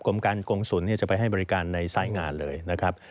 กงศูนย์จะไปให้บริการในสายงานเลยนะครับ